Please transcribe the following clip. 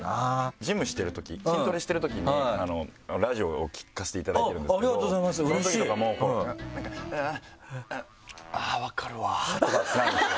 ジムしてるとき筋トレしてるときにラジオを聴かせていただいてるんですけどそのときとかもなんかうぅ！とかってなるんですよ。